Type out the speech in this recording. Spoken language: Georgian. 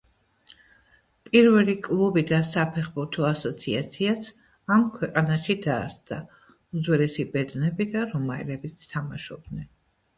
პირველი კლუბი და საფეხბურთო ასოციაციაც ამ ქვეყანაში დაარსდა.უძველესი ბერძნები და რომაელებიც თამაშობდნენ